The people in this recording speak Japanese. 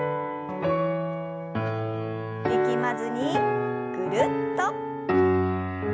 力まずにぐるっと。